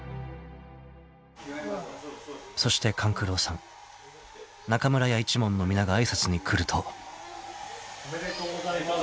［そして勘九郎さん中村屋一門の皆が挨拶に来ると］おめでとうございます。